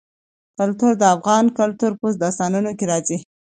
کلتور د افغان کلتور په داستانونو کې راځي.